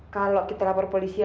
kalau kita lapar polisi saja